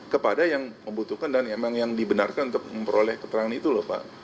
kepada yang membutuhkan dan yang benarkan untuk memperoleh keterangan itu loh pak